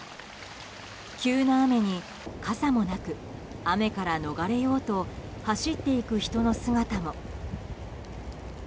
急な雨に傘もなく雨から逃れようと走っていく人の姿も。